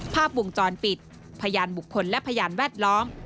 ภาพวงจรปิดพยานบุคคลและพยานแวดล้อม